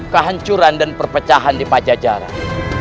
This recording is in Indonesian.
kehancuran dan perpecahan di pak jajaran